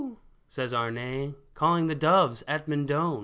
" says Arne, Calling the doves at Mendon